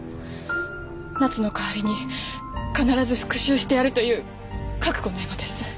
奈津の代わりに必ず復讐してやるという覚悟の絵馬です。